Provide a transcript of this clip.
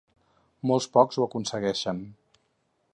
Molt pocs ho aconsegueixen.